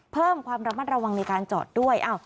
เพิ่มความระมัดระวังในการจอดด้วย